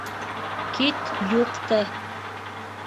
Кит, юҡты!..